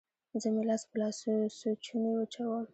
زه مې لاس په لاسوچوني وچوم